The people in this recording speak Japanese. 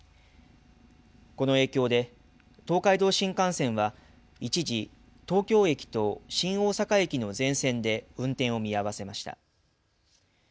この影響で東海道新幹線は一時、東京駅と新大阪駅の全線で運転を見合わせました。